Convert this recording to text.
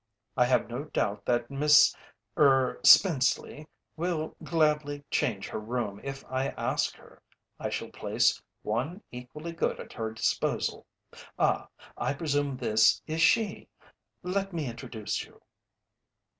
"I have no doubt that Miss er Spenceley will gladly change her room if I ask her. I shall place one equally good at her disposal Ah, I presume this is she let me introduce you."